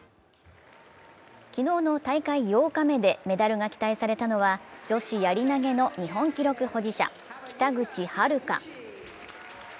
昨日の大会８日目でメダルが期待されたのは、女子やり投の日本記録保持者北口榛花。